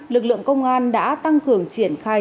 lực lượng công an đã tăng cường triển khai